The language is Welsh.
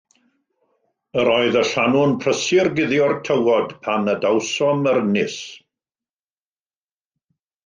Yr oedd y llanw'n prysur guddio'r tywod pan adawsom yr ynys.